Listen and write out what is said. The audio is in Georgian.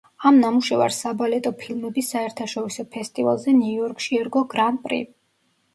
ამ ნამუშევარს საბალეტო ფილმების საერთაშორისო ფესტივალზე ნიუ-იორკში ერგო „გრან პრი“.